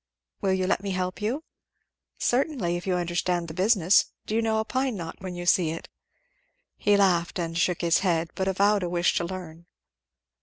"Will you let me help you?" "Certainly! if you understand the business. Do you know a pine knot when you see it?" He laughed and shook his head, but avowed a wish to learn.